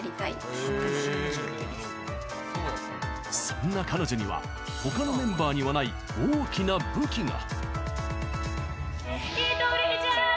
そんな彼女には他のメンバーにはない大きな武器が。